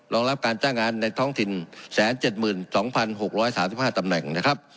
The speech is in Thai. รองรับการจ้างงานในท้องถิ่น๑๗๒๖๓๕ตำแหน่งนะครับ